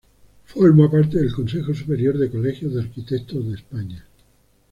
Forma parte del Consejo Superior de Colegios de Arquitectos de España.